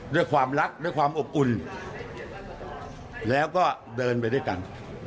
ด้วยความรักด้วยความอบอุ่นแล้วก็เดินไปด้วยกัน